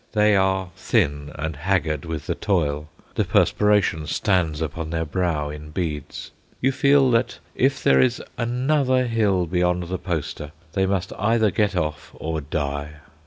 They are thin and haggard with the toil, the perspiration stands upon their brow in beads; you feel that if there is another hill beyond the poster they must either get off or die.